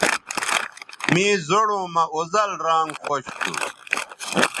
مے زوڑوں مہ اوزل رانگ خوش تھو